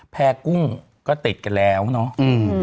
แพร่กุ้งก็ติดกันแล้วเนาะ